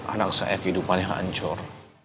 anak saya kehidupannya hancur